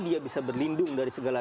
dia bisa berlindung dari segala